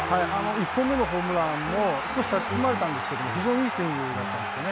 １本目のホームランも少しさし込まれたんですけれども、非常にいいスイングだったんですね。